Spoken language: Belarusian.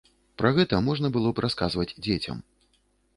Пра гэта можна было б расказваць дзецям.